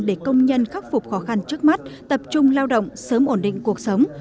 để công nhân khắc phục khó khăn trước mắt tập trung lao động sớm ổn định cuộc sống